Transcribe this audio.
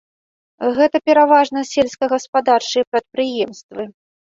Гэта пераважна сельскагаспадарчыя прадпрыемствы.